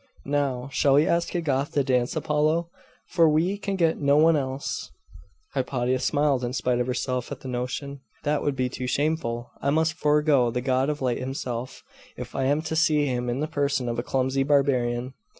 Now Shall we ask a Goth to dance Apollo? for we can get no one else.' Hypatia smiled in spite of herself at the notion. 'That would be too shameful! I must forego the god of light himself, if I am to see him in the person of a clumsy barbarian.